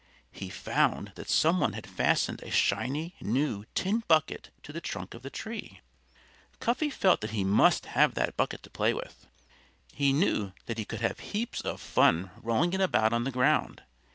He found that some one had fastened a shiny, new tin bucket to the trunk of the tree. Cuffy felt that he must have that bucket to play with. He knew that he could have heaps of fun rolling it about on the ground.